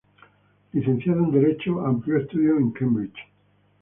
Licenciado en derecho, amplió estudios en Cambridge.